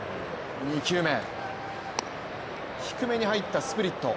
２球目、低めに入ったスプリット。